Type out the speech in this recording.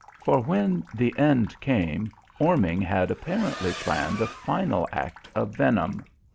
For when the end came Orming had apparently planned a final act of venom.